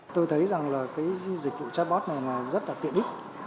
tôi thấy rằng dịch vụ chatbot này rất đặc biệt